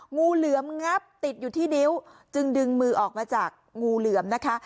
งูเหลือมงับติดอยู่ที่นิ้วจึงดึงมือออกมาจากงูเหลือมนะคะ